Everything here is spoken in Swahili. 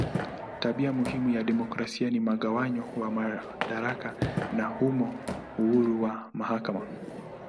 Tabia muhimu ya demokrasia ni mgawanyo wa madaraka na humo uhuru wa mahakama.